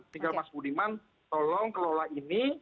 tinggal mas budiman tolong kelola ini